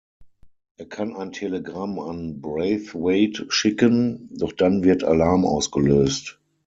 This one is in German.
Er kann ein Telegramm an Braithwaite schicken, doch dann wird Alarm ausgelöst.